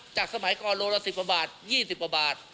จากสมัยก่อนโรสละ๑๐บาท๒๐บาท